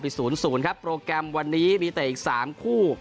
ยอมไปศูนย์ศูนย์ครับโปรแกรมวันนี้มีแต่อีกสามคู่